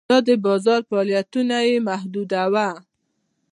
دا د بازار فعالیتونه یې محدوداوه.